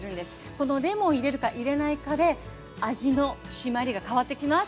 このレモンを入れるか入れないかで味のしまりが変わってきます。